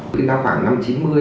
khi nào khoảng năm chín mươi